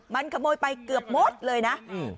มันขโมยไปเกือบหมดเลยนะ